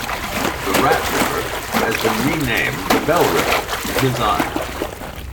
The Rat River has been renamed the Bell River in his honour.